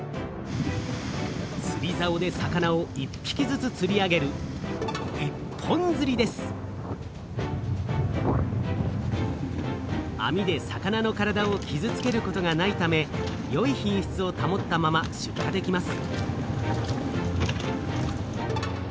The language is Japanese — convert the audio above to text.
つりざおで魚を一ぴきずつつり上げるあみで魚の体をきずつけることがないためよい品しつをたもったまま出荷できます。